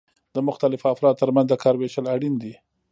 د مختلفو افرادو ترمنځ د کار ویشل اړین دي.